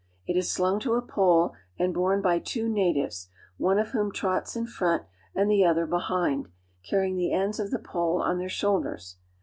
It is slung to a pole and borne by two natives, one of whom trots in front and the other behind, carrying the ends of the pole on their shoulders.